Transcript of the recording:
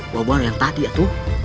wabah yang tadi ya tuh